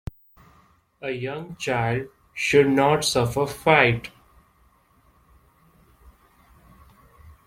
A young child should not suffer fright.